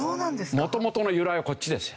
元々の由来はこっちですよ。